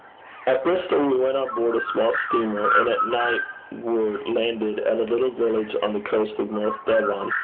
At Bristol we went on board a small steamer, and at night were landed at a little village on the coast of North Devon.